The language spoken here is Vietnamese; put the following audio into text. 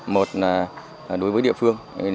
một là đối với địa phương